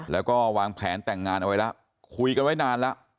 แล้วก็วางแผนแต่งงานเอาไว้แล้วคุยกันไว้นานแล้ว